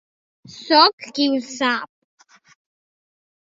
Soc qui ho sap.